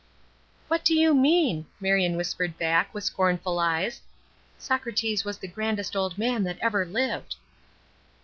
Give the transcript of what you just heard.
"What do you mean?" Marion whispered back, with scornful eyes. "Socrates was the grandest old man that ever lived."